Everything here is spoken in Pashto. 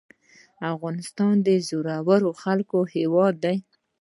افغانستان د زړورو خلکو هیواد دی